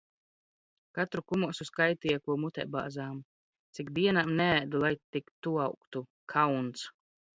Katru kumosu skaitīja, ko mutē bāzām. Cik dienām neēdu, lai tik tu augtu. Kauns!